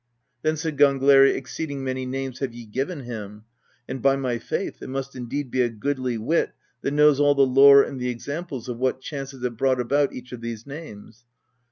Then said Gangleri :" Exceeding many names have ye given him ; and, by my faith, it must indeed be a goodly wit that knows all the lore and the examples of what chances have brought about each of these names."